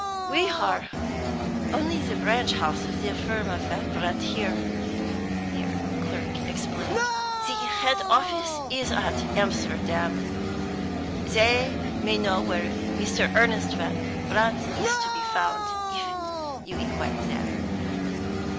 "We are only the branch house of the firm of Van Brandt here," the clerk explained. "The head office is at Amsterdam. They may know where Mr. Ernest Van Brandt is to be found, if you inquire there."